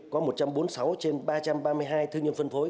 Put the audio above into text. có một trăm bốn mươi sáu trên ba trăm ba mươi hai thương nhân phân phối